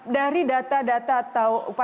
dari data data atau upaya umumnya